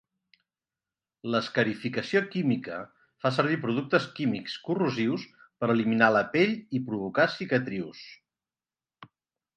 L'escarificació química fa servir productes químics corrosius per eliminar la pell i provocar cicatrius.